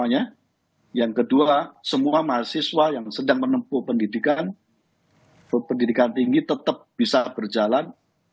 yang kedua semua mahasiswa yang sedang menempuh pendidikan tinggi tetap bisa berjalan